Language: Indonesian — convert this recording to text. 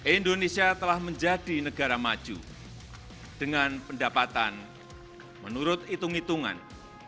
indonesia telah menjadi negara maju dengan pendapatan menurut hitung hitungan